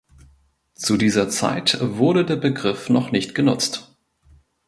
Zu dieser Zeit wurde der Begriff noch nicht genutzt.